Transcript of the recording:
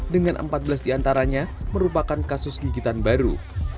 dengan empat belas diantaranya merupakan kasus gigitan baru